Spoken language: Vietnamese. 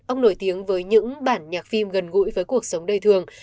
ông nổi tiếng với những bản nhạc phim gần gũi với cuộc sống đời thường